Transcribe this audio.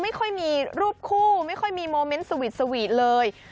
ไม่ค่อยมีรูปคู่ไม่ค่อยมีโมเมนต์สวีทสวีทเลย